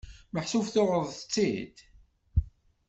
Meḥsub tuɣeḍ-tt-id?